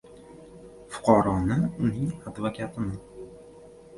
fuqaroni, uning advokatini